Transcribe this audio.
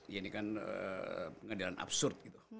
ya ini kan pengadilan absurd gitu